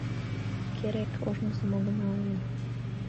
Керек, ожнысым огына ойло.